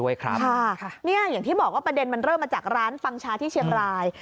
อย่างที่บอกว่าประเด็นมันเริ่มมาจากร้านปังชาที่เชียงราย